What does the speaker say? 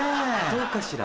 どうかしら？